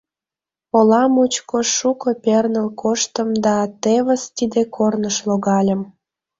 Ола мучко шуко перныл коштым да, тевыс, тиде корныш логальым.